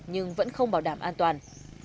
nhưng vẫn không bảo đảm an toàn